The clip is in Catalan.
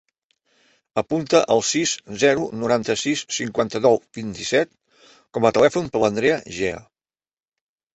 Apunta el sis, zero, noranta-sis, cinquanta-nou, vint-i-set com a telèfon de l'Andrea Gea.